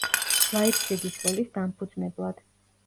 ლაიფციგის სკოლის დამფუძნებლად.